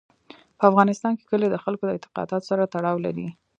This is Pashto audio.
په افغانستان کې کلي د خلکو د اعتقاداتو سره تړاو لري.